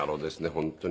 本当に。